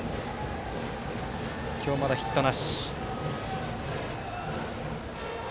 今日まだヒットなし。